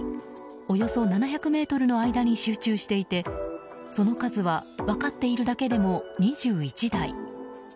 およそ７００ｍの間に集中していてその数は分かっているだけでも２１台。